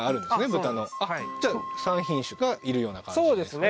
豚のじゃあ３品種がいるような感じそうですね